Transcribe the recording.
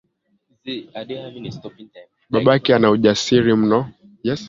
Babake ana ujasiri mno